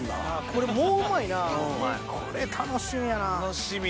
これもううまいなこれ楽しみやな。